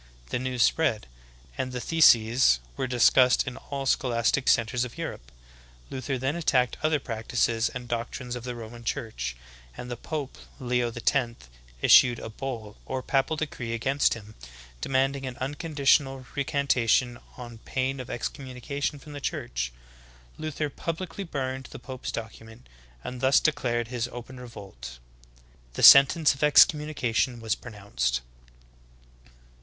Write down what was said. The news spread, and the theses v^ ere discussed in all scholastic centers of Europe. Luther then attacked other practices and doctrines of the Roman church, and the pope, Leo X, issued a "Bull" or papal decree against him, demanding an unconditional recantation on pain of excommunication from the Church. Luther publicly burned the pope's document, and thus de clared his open revolt. The sentence of excommunication v/as pronounced.